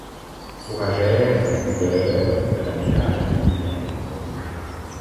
Fourragère aux couleurs de la Médaille Militaire.